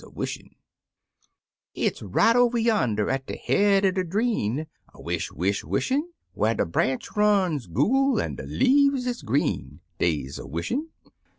/I IVISHING SONG Ifs right over yonder at de head er de dreen — A wish, wish, wishin' — IVhar de branch runs google, an' de leaves isgreen— Des a wishin'.